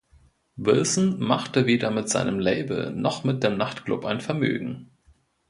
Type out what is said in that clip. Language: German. Wilson machte weder mit seinem Label noch mit dem Nachtclub ein Vermögen.